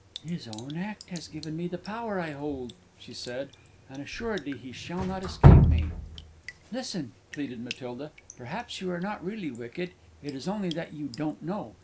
"His own act has given me the power I hold," she said, "and assuredly he shall not escape me!" "Listen," pleaded Matilda; "perhaps you are not really wicked, it is only that you don't know!